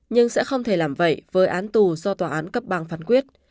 nhưng sẽ không thể làm vậy với án tù do tòa án cấp bang phán quyết